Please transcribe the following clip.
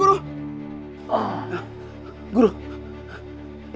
semoga kemampuan saya